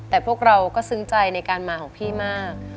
แต่พวกเราก็ซึ้งใจในการมาของพี่มาก